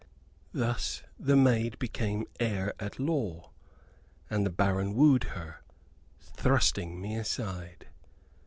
Thus the maid became heir at law, and the baron wooed her, thrusting me aside."